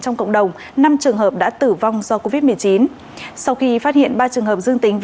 trong cộng đồng năm trường hợp đã tử vong do covid một mươi chín sau khi phát hiện ba trường hợp dương tính